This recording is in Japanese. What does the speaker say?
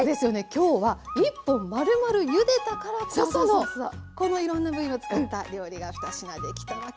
今日は１本まるまるゆでたからこそのこのいろんな部位を使った料理が２品できたわけですもんね。